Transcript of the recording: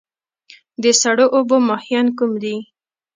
د سړو اوبو ماهیان کوم دي؟